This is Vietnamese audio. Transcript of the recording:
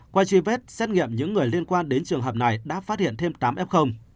qua truy vết xét nghiệm những người liên quan đến trường hợp này đã phát hiện thêm tám f